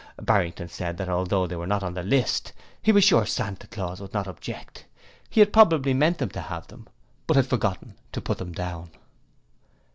Barrington said that although they were not on the list, he was sure Santa Claus would not object he had probably meant them to have them, but had forgotten to put them down.